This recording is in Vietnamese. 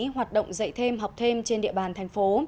hoạt động dạy thêm học thêm trên địa bàn tp